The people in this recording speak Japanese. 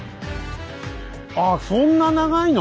あっそんな長いの⁉